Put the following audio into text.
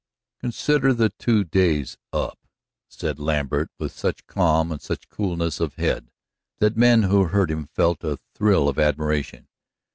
"Consider the two days up," said Lambert with such calm and such coolness of head that men who heard him felt a thrill of admiration.